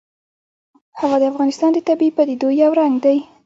هوا د افغانستان د طبیعي پدیدو یو رنګ دی.